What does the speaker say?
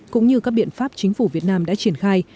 cũng như các biện pháp chính phủ việt nam đã triển khai